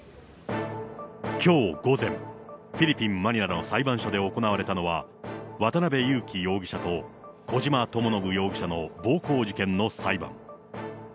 きょう午前、フィリピン・マニラの裁判所で行われたのは、渡辺優樹容疑者と小島智信容疑者の暴行事件の裁判。